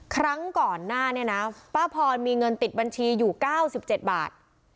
ครั้งก่อนหน้าเนี่ยนะป้าพรมีเงินติดบัญชีอยู่๙๗บาท